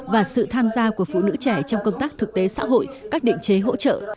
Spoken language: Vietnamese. và sự tham gia của phụ nữ trẻ trong công tác thực tế xã hội các định chế hỗ trợ